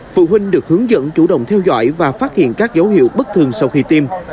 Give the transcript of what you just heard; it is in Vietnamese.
phụ huynh được hướng dẫn chủ động theo dõi và phát hiện các dấu hiệu bất thường sau khi tiêm